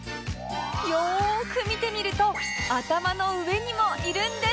よーく見てみると頭の上にもいるんです